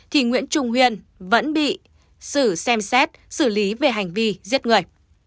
thì nguyễn trung huyền vẫn bị sự xem xét xử lý về hành vi giết người